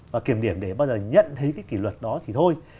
và kiểm điểm để bao giờ nhận thấy cái kỷ luật đó thì thôi